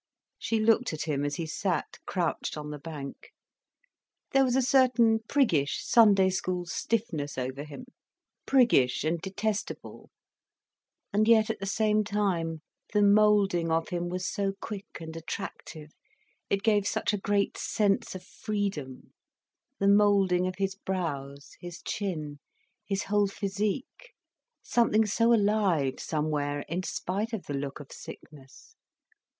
She looked at him as he sat crouched on the bank. There was a certain priggish Sunday school stiffness over him, priggish and detestable. And yet, at the same time, the moulding of him was so quick and attractive, it gave such a great sense of freedom: the moulding of his brows, his chin, his whole physique, something so alive, somewhere, in spite of the look of sickness.